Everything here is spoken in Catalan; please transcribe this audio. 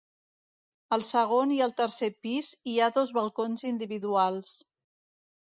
Al segon i al tercer pis hi ha dos balcons individuals.